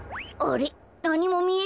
なにもみえないぞ。